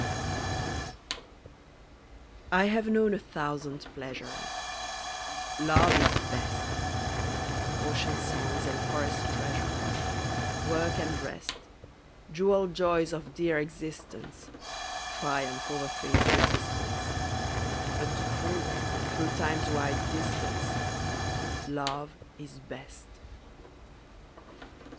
Song. I have known a thousand pleasures, Love is best Ocean's songs and forest treasures, Work and rest, Jewelled joys of dear existence, Triumph over Fate's resistance, But to prove, through Time's wide distance, Love is best.